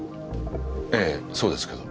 ええそうですけど。